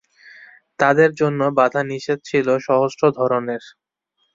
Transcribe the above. তাঁদের জন্য বাধানিষেধ ছিল সহস্র ধরনের।